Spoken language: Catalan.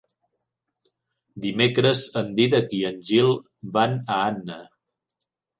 Dimecres en Dídac i en Gil van a Anna.